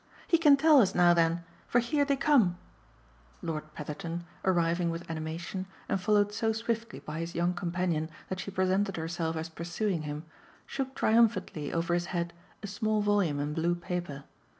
"He can tell us now then for here they come!" Lord Petherton, arriving with animation and followed so swiftly by his young companion that she presented herself as pursuing him, shook triumphantly over his head a small volume in blue paper.